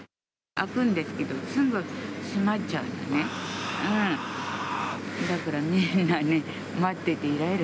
開くんですけど、すぐ閉まっちゃってね。